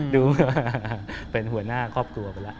ดูเป็นหัวหน้าครอบตัวไปแล้ว